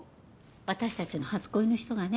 私達の初恋の人がね